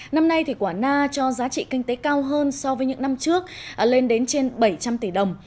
năm nay quả na cho giá trị kinh tế cao hơn so với những năm trước lên đến trên bảy trăm linh tỷ đồng